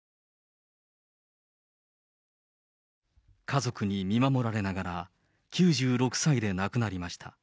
家族に見守られながら、９６歳で亡くなりました。